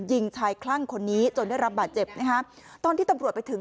ยิงชายคลั่งคนนี้จนได้รับบาดเจ็บนะฮะตอนที่ตำรวจไปถึง